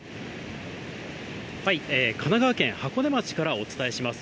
神奈川県箱根町からお伝えします。